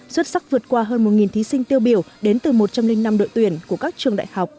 xuất sắc vượt qua hơn một thí sinh tiêu biểu đến từ một trăm linh năm đội tuyển của các trường đại học